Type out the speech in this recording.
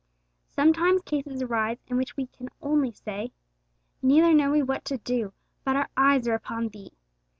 Sometimes cases arise in which we can only say, 'Neither know we what to do, but our eyes are upon Thee.'